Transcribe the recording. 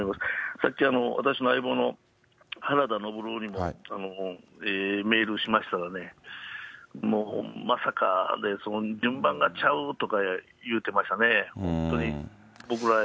さっき私の相棒の原田のぶろうにもメールしましたらね、もう、まさか、順番がちゃうとか言うてましたね。